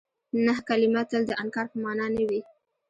نه کلمه تل د انکار په مانا نه وي.